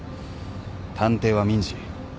探偵は民事。